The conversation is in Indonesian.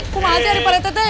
kumahasih dari pak rete teh